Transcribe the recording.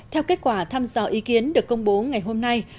theo kết quả thăm dò ý kiến được công bố ngày hôm nay